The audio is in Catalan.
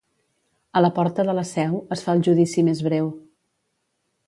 A la porta de la seu, es fa el judici més breu.